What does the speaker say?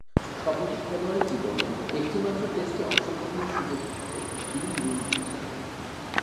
সমগ্র খেলোয়াড়ী জীবনে একটিমাত্র টেস্টে অংশগ্রহণের সুযোগ ঘটে বিল লুন্ডি’র।